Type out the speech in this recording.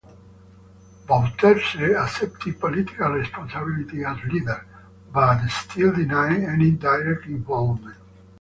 Bouterse accepted political responsibility as leader, but still denied any direct involvement.